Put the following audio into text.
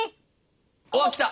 わっ来た！